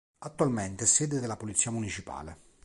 Attualmente è sede della polizia municipale.